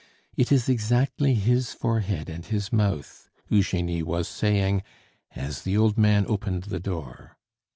"It is exactly his forehead and his mouth," Eugenie was saying as the old man opened the door.